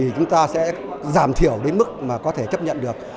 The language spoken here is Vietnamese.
chúng ta sẽ giảm thiểu đến mức mà có thể chấp nhận được